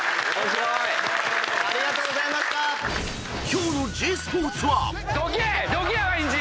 ［今日のｇスポーツは］